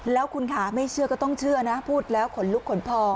แล้วคุณค่ะไม่เชื่อก็ต้องเชื่อนะพูดแล้วขนลุกขนพอง